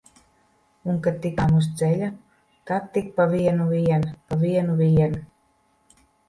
Un kad tikām uz ceļa, tad tik pa vienu vien, pa vienu vien!